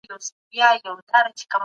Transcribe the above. د ذمي وژل لویه جفا ده.